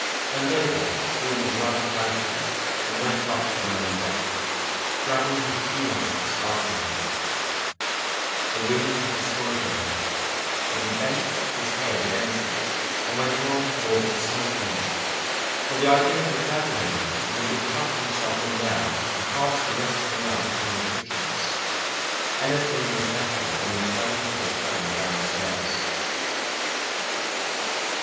Vandover drew his rug about him and went up to the main deck, dragging his shoelaces after him. The wind was stronger here, but he bent his head against it and went on toward the smoking room, for the idea had occurred to him that he could shut himself in there and pass the rest of the night upon the cushions; anything was better than returning to the cabin downstairs.